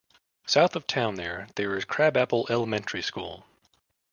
South of town there is Crabapple Elementary School.